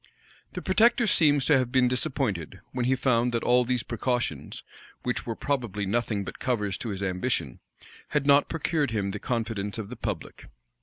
The protector seems to have been disappointed, when he found that all these precautions, which were probably nothing but covers to his ambition, had not procured him the confidence of the public.